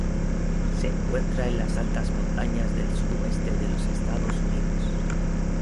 Se encuentra en las altas montañas del suroeste de los Estados Unidos.